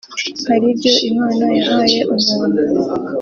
Hari ibyo Imana yahaye umuntu